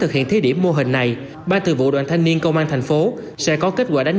thực hiện thế điểm mô hình này ba thư vụ đoàn thanh niên công an thành phố sẽ có kết quả đánh